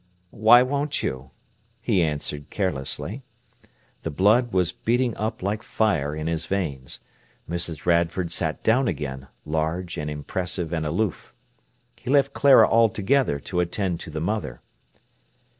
"Why won't you?" he answered carelessly. The blood was beating up like fire in his veins. Mrs. Radford sat down again, large and impressive and aloof. He left Clara altogether to attend to the mother.